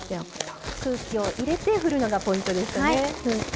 空気を入れて振るのがポイントでしたね。